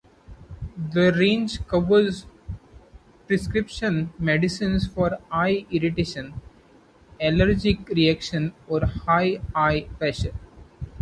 This range covers prescription medicines for eye irritation, allergic reactions or high eye pressure.